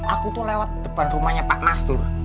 aku tuh lewat depan rumahnya pak nastur